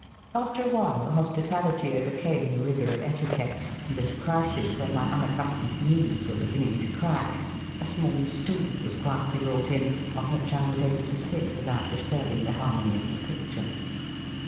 After a while hospitality overcame the rigour of etiquette, and at a crisis when my unaccus tomed knees were beginning to crack, a small stool was quietly brought in, on which I was able to sit without disturbing the harmony of the picture.